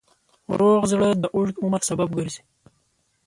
روغ زړه د اوږد عمر سبب ګرځي.